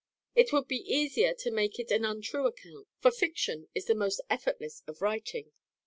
It would be easier to make it an untrue account, for fiction is the most effortless of writing.